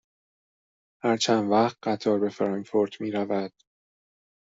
هر چند وقت قطار به فرانکفورت می رود؟